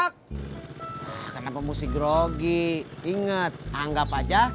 kenapa musik grogi inget anggap aja